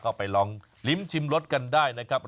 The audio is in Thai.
ก็ไปลองลิ้มชิมรสกันได้นะครับ